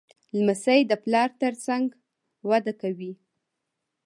لمسی د پلار تر څنګ وده کوي.